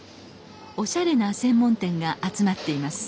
おしゃれな専門店が集まっています。